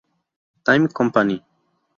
Time Company.